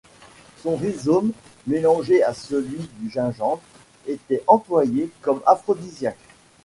Son rhizome mélangé à celui du gingembre était employé comme aphrodisiaque.